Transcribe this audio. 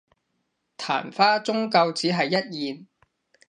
曇花終究只係一現